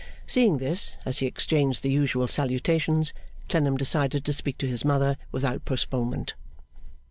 Seeing this, as he exchanged the usual salutations, Clennam decided to speak to his mother without postponement.